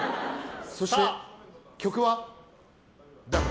そして曲は。